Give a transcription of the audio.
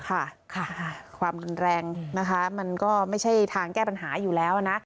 ค่ะความรุนแรงนะคะมันก็ไม่ใช่ทางแก้ปัญหาอยู่แล้วนะ